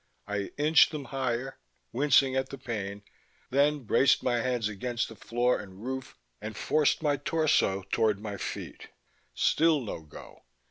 I inched them higher, wincing at the pain, then braced my hands against the floor and roof and forced my torso toward my feet.... Still no go.